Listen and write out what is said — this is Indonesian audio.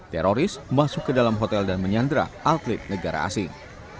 teroris masuk ke dalam hotel dan menyandra atlet negara asing